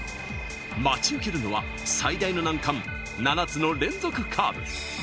待ち受けるのは最大の難関、７つの連続カーブ。